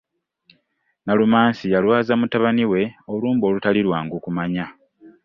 Nalumansi yalwaza mutabani we olumbe olutali lwangu kumanya.